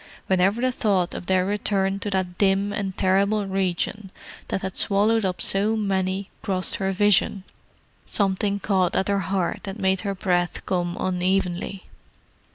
Whenever the thought of their return to that dim and terrible region that had swallowed up so many crossed her vision, something caught at her heart and made her breath come unevenly.